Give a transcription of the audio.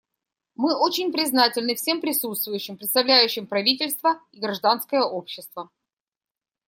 Мы очень признательны всем присутствующим, представляющим правительства и гражданское общество.